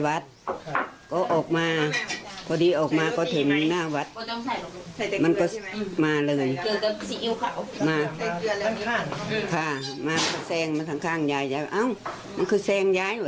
มันล้มด้วยไหมครับครับ